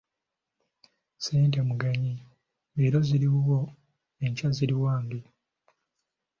Ssente mugenyi, leero ziri wuwo enkya ziri wange.